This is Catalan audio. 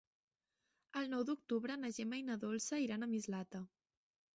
El nou d'octubre na Gemma i na Dolça iran a Mislata.